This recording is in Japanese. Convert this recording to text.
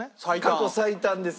過去最短です。